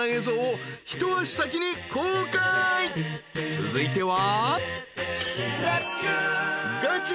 ［続いては］